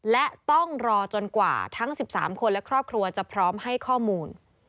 และต้องรอจนกว่าทั้ง๑๓คนและครอบครัวจะพร้อมให้ข้อมูล